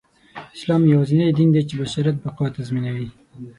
اسلام يواځينى دين دى، چې د بشریت بقاﺀ تضمينوي.